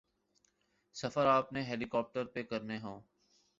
سفر آپ نے ہیلی کاپٹر پہ کرنے ہوں۔